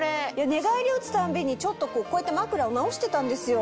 寝返りをうつたんびにこうやって枕を直してたんですよ。